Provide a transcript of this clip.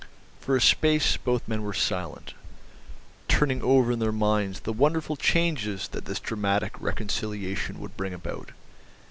For a space both men were silent, turning over in their minds the wonderful changes that this dramatic reconciliation would bring about.